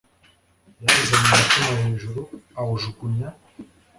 yazanye umutima hejuru, awujugunya